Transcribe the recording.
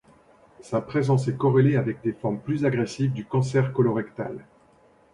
Sa présence est corrélée avec des formes plus agressives du cancer colorectal.